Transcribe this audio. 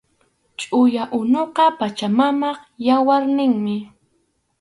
Chʼuya unuqa Pachamamap yawarninmi